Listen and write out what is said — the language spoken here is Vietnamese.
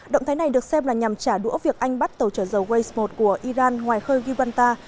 động thái này được xem là nhằm trả đũa việc anh bắt tàu trở dầu waze một của iran ngoài khơi gil